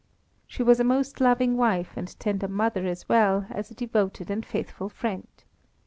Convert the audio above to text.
She was a most loving wife and tender mother as well as a devoted and faithful friend.